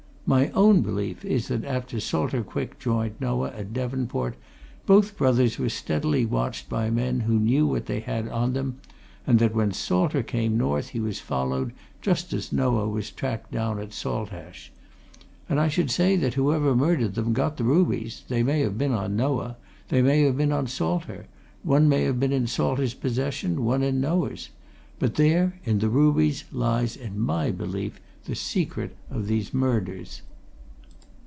My own belief is that after Salter Quick joined Noah at Devonport, both brothers were steadily watched by men who knew what they had on them, and that when Salter came North he was followed, just as Noah was tracked down at Saltash. And I should say that whoever murdered them got the rubies they may have been on Noah; they may have been on Salter; one may have been in Salter's possession; one in Noah's. But there in the rubies lies, in my belief, the secret of those murders."